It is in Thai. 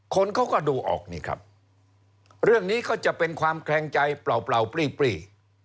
คนเขาก็ดูออกนี่ครับเรื่องนี้ก็จะเป็นความแคลงใจเปล่าปลี้